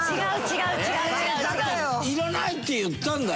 「いらない」って言ったんだよ。